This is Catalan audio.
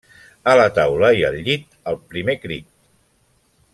A la taula i al llit al primer crit.